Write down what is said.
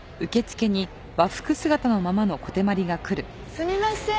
すみません。